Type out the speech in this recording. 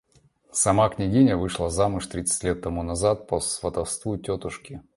Сама княгиня вышла замуж тридцать лет тому назад, по сватовству тетушки.